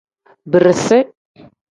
Birisi.